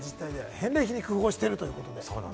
返礼品に工夫しているということで。